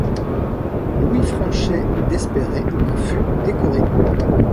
Louis Franchet d'Espèrey en fut décoré.